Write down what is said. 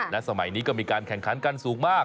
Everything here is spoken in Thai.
และสมัยนี้ก็มีการแข่งขันกันสูงมาก